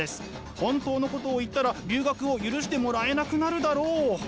本当のことを言ったら留学を許してもらえなくなるだろう。